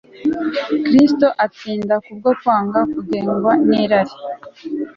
Kristo atsinda kubwo kwanga kugengwa nirari